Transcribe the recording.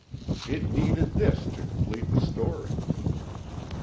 It needed this to complete the story.'